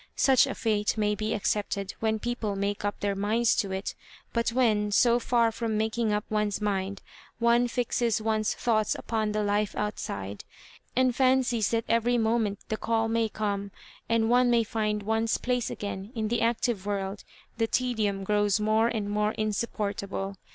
Such a &te may be accepted when people make up their minds to it ; but when, so far from making up one's mind, one fixes one's thoughts upon the life outside, and fancies that every moment the call may come, and one may find one's place again in the active world, the tedium grows more and more insup portable.